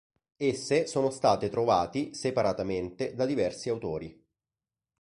Esse sono state trovati separatamente da diversi autori.